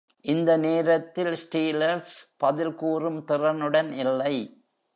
இந்த நேரத்தில் ஸ்டீலர்ஸ் பதில் கூறும் திறனுடன் இல்லை.